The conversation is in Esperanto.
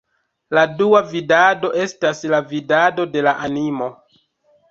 La dua vidado estas la vidado de la animo.